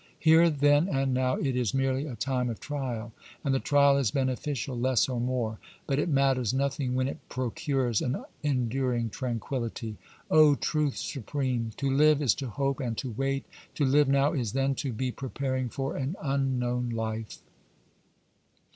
^ Here then and now it is merely a time of trial, and the trial is beneficial less or more, but it matters nothing when it procures an enduring tranquillity." ^" Oh truth supreme ! to live is to hope and to wait ; to live now is then to be preparing for an unknown life."